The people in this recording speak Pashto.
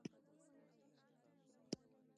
هماغه و چې د طالب کېبل او ډاټسن.